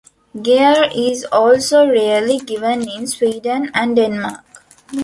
"Geir" is also rarely given in Sweden and Denmark.